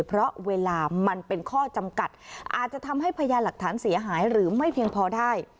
เพราะเวลามันเป็นข้อจำกัดอาจจะทำให้พยานหลักฐานเสียหายหรือไม่เพียงพอได้